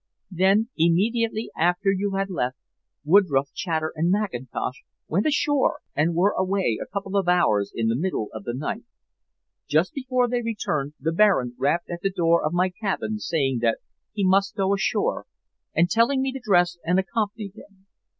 Then immediately after you had left, Woodroffe, Chater and Mackintosh went ashore and were away a couple of hours in the middle of the night. Just before they returned the Baron rapped at the door of my cabin saying that he must go ashore, and telling me to dress and accompany him.